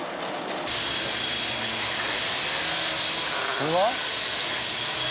これは？